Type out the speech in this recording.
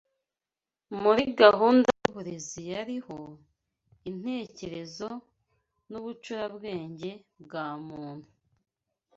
Muri gahunda y’uburezi yariho, intekerezo n’ubucurabwenge bwa muntu